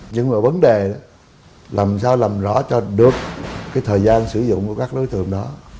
nhưng mà vấn đề làm sao làm rõ cho được cái thời gian sử dụng của các đối tượng đó